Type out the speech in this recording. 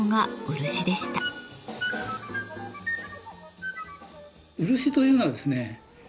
漆というのはですね